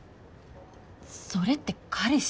それって彼氏？